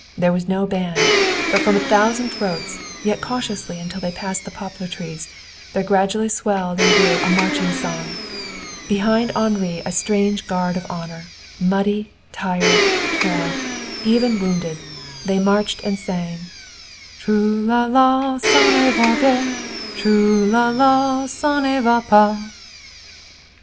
There was no band, but from a thousand throats, yet cautiously until they passed the poplar trees, there gradually swelled and grew a marching song. Behind Henri a strange guard of honor muddy, tired, torn, even wounded they marched and sang: Trou là là, ça ne va guère; Trou là là, çe ne va pas.